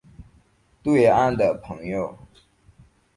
对岸的朋友